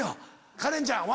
カレンちゃんＹ。